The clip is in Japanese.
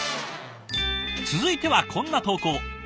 続いてはこんな投稿。